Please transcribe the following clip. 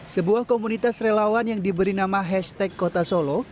sebuah komunitas relawan yang diberi nama hashtag kota solo